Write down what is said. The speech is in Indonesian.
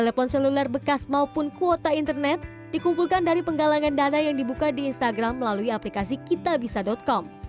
telepon seluler bekas maupun kuota internet dikumpulkan dari penggalangan dana yang dibuka di instagram melalui aplikasi kitabisa com